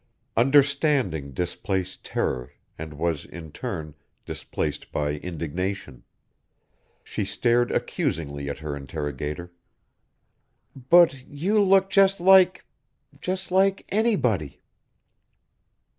Understanding displaced terror and was, in turn, displaced by indignation. She stared accusingly at her interrogator. "But you look just like ... just like anybody."